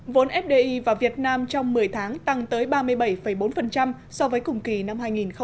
vốn fdi vào việt nam trong một mươi tháng tăng tới ba mươi bảy bốn so với cùng kỳ năm hai nghìn một mươi tám